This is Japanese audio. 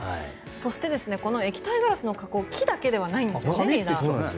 そしてこの液体ガラスの加工木だけではないんですよね。